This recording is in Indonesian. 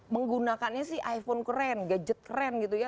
menggunakannya sih iphone keren gadget keren gitu ya